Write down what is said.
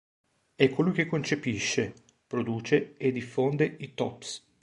È colui che concepisce, produce e diffonde i tops.